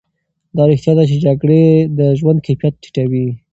دا رښتیا ده چې جګړې د ژوند کیفیت ټیټوي.